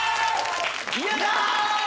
やった！